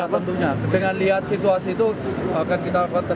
iya tentunya dengan lihat situasi itu akan kita suruhin